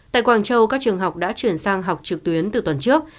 tại quảng châu các trường học đã chuyển sang học trực tuyến từ tuần trước